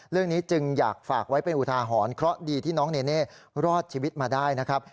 เรื่องนี้จึงอยากฝากไว้เป็นอุทาหรณ์เคราะห์ดีที่น้องเนเน่รอดชีวิตมาได้นะครับ